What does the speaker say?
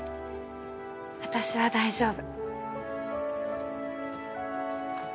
私は大丈夫。